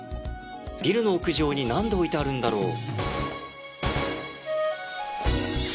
ビルの屋上に何で置いてあるんだろう？